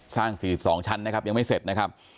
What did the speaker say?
๔๒ชั้นนะครับยังไม่เสร็จนะครับ